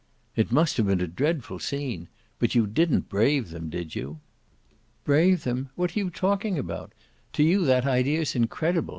"It must have been a dreadful scene. But you DIDN'T brave them, did you?" "Brave them what are you talking about? To you that idea's incredible!"